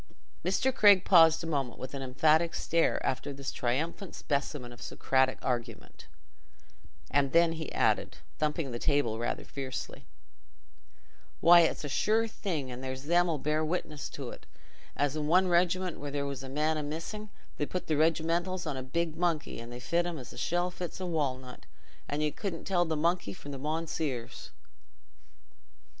'" Mr. Craig paused a moment with an emphatic stare after this triumphant specimen of Socratic argument, and then added, thumping the table rather fiercely, "Why, it's a sure thing—and there's them 'ull bear witness to't—as i' one regiment where there was one man a missing, they put the regimentals on a big monkey, and they fit him as the shell fits the walnut, and you couldn't tell the monkey from the mounseers!"